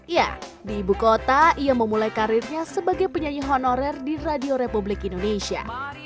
ya di ibu kota ia memulai karirnya sebagai penyanyi honorer di radio republik indonesia